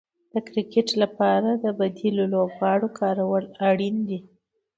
د کرکټ لپاره د بديلو لوبغاړو کارول اړين دي.